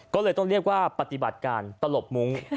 ก็เลยต้องเรียกว่าปฏิบัติการตลบมุ้ง